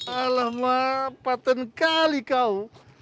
alamak paten kali kau